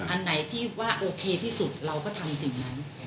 อันไหนที่ว่าโอเคที่สุดเราก็ทำสิ่งนั้น